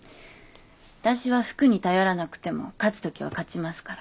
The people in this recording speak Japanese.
あたしは服に頼らなくても勝つときは勝ちますから。